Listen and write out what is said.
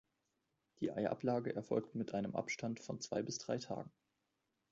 Die Eiablage erfolgt mit einem Abstand von zwei bis drei Tagen.